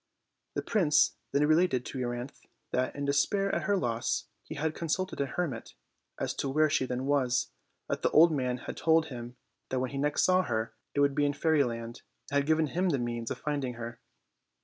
The prince then related to Euryanthe that, in despair at her loss, he had consulted a hermit as to where she then was; that the old man had told him that, when he next saw her, it would be in Fairyland, and had given him the means of finding her.